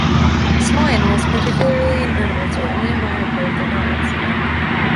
Small animals, particularly invertebrates, are only a minor part of their diets.